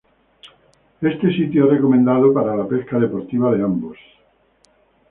Este sitio es recomendado para la pesca deportiva de ambos.